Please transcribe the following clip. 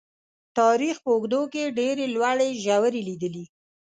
تاریخ په اوږدو کې یې ډېرې لوړې ژورې لیدلي.